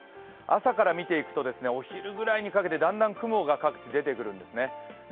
朝から見ていくとお昼ぐらいにかけてだんだん雲が各地出てくるんですね。